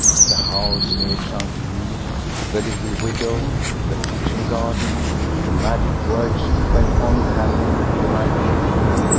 The house near Chantilly—the little widow—the kitchen garden—the magic words went on hammering in my brain.